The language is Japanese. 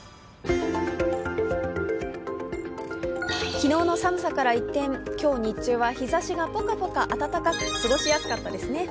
昨日の寒さから一転、今日日中は日ざしがポカポカ暖かく、過ごしやすかったですね。